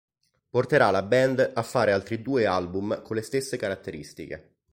Porterà la band a fare altri due album con le stesse caratteristiche.